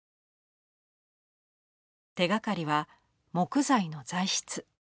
手がかりは木材の材質。